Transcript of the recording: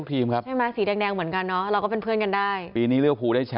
ผมว่าลุงพลนี้เป็นคนใส่ซื่อบริสุทธิ์ค่ะ